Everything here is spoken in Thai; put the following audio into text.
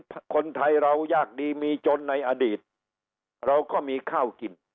เราไม่เคยเห็นคนไทยเราอยากดีมีจนในอดีตเราก็มีข้าวกินไม่มีเงินเราก็มีข้าวกินแต่วันนี้มีคนไทยอีก